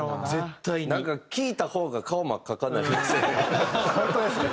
なんか聞いた方が顔真っ赤っかになりますよね。